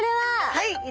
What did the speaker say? はい。